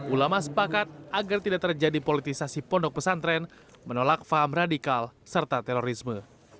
ulama sepakat agar tidak terjadi politisasi pondok pesantren menolak faham radikal serta terorisme